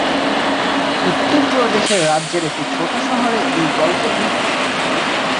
উত্তরপ্রদেশ রাজ্যের একটি ছোট্ট শহরে এই গল্পের ভিত্তি।